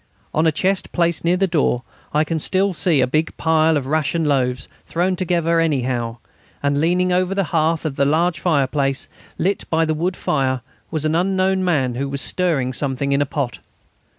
On a chest placed near the door I can see still a big pile of ration loaves, thrown together anyhow; and leaning over the hearth of the large fireplace, lit up by the wood fire, was an unknown man who was stirring something in a pot.